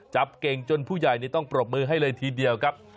จับเก่งจนผู้ใหญ่ต้องปรบมือให้เลยทีเดียวครับ